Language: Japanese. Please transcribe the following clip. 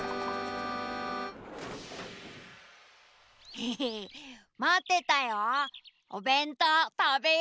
エヘヘまってたよ。